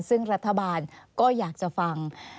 ซึ่งรัฐบาลก็อยากจะฟัง